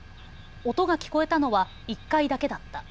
音が聞こえたのは１回だけだった。